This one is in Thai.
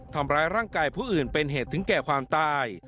ทำร้ายร่างกายผู้อื่นเป็นเหตุถึงแก่ความตาย